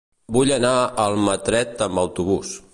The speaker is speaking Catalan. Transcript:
Vull anar a Almatret amb autobús.